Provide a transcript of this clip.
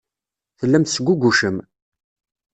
Tellam tesgugucem.